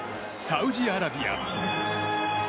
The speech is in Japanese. サウジアラビア。